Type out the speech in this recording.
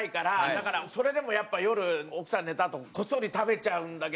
だからそれでもやっぱり夜奥さん寝たあとこっそり食べちゃうんだけど。